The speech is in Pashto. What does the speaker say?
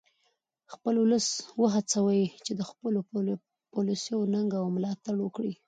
خپل ولس و هڅوئ چې د خپلو پولیسو ننګه او ملاتړ وکړي